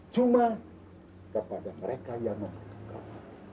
cuma kepada mereka yang membutuhkan